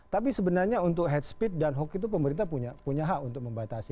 tapi sebenarnya untuk head speed dan hoax itu pemerintah punya hak untuk membatasi